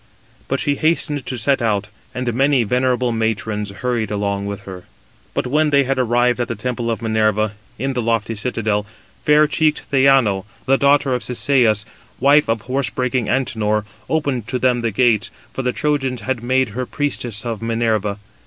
But she hastened to set out, and many venerable matrons hurried along with her. But when they arrived at the temple of Minerva, in the lofty citadel, fair cheeked Theano, the daughter of Cisseus, wife of horse breaking Antenor, opened to them the gates; for the Trojans had made her priestess of Minerva.